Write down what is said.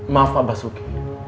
maaf pak basuki